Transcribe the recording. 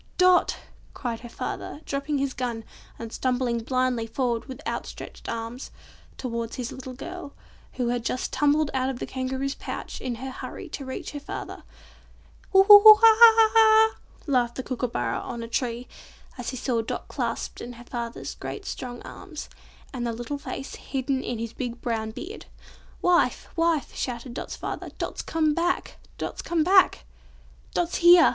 "Dot!" cried her father, dropping his gun, and stumbling blindly forward with outstretched arms, towards his little girl, who had just tumbled out of the Kangaroo's pouch in her hurry to reach her father. "Hoo! hoo! ho! ho! he! he! ha! ha! ha! ha!" laughed a Kookooburra on a tree, as he saw Dot clasped in her father's great strong arms, and the little face hidden in his big brown beard. "Wife! wife!" shouted Dot's father, "Dot's come back! Dot's come back!" "Dot's here!"